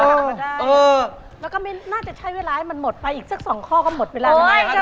แล้วก็น่าจะใช้เวลามันหมดไปอีกสักส่องข้อก็หมดเวลา